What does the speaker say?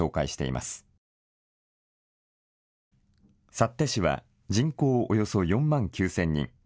幸手市は人口およそ４万９０００人。